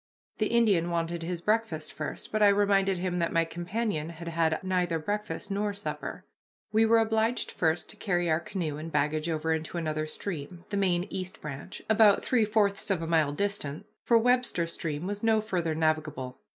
The Indian wanted his breakfast first, but I reminded him that my companion had had neither breakfast nor supper. We were obliged first to carry our canoe and baggage over into another stream, the main East Branch, about three fourths of a mile distant, for Webster Stream was no farther navigable.